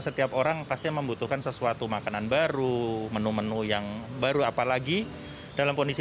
setiap orang pasti membutuhkan sesuatu makanan baru menu menu yang baru apalagi dalam kondisi